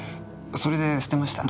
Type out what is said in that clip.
それで捨てました。